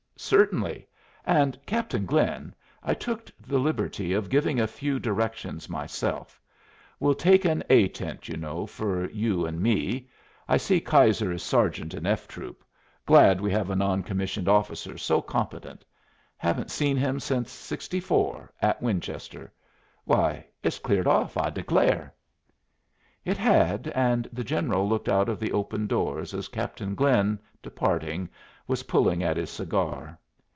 "Certainly. And, Captain Glynn, I took the liberty of giving a few directions myself. We'll take an A tent, you know, for you and me. I see Keyser is sergeant in F troop. Glad we have a non commissioned officer so competent. Haven't seen him since '64, at Winchester. Why, it's cleared off, I declare!" It had, and the General looked out of the open door as Captain Glynn, departing, was pulling at his cigar.